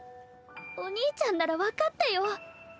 お兄ちゃんなら分かってよ。